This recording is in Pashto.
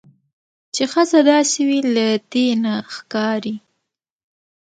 چې ښځه داسې وي. له دې نه ښکاري